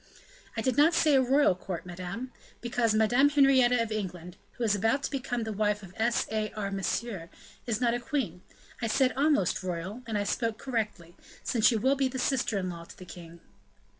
"I did not say a royal court, madame," replied Montalais; "because Madame Henrietta of England, who is about to become the wife of S. A. R. Monsieur, is not a queen. I said almost royal, and I spoke correctly, since she will be sister in law to the king."